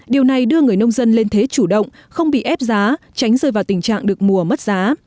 điều này đưa người nông dân lên thế chủ động không bị ép giá tránh rơi vào tình trạng được mùa mất giá